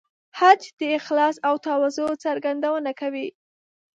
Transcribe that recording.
حج د اخلاص او تواضع څرګندونه کوي.